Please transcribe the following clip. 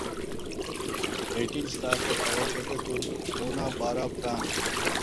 Eighteen staff were evacuated to Coonabarabran.